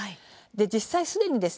実際すでにですね